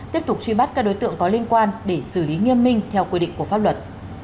tiếp tục truy bắt các đối tượng có liên quan để xử lý nghiêm minh theo quy định của pháp luật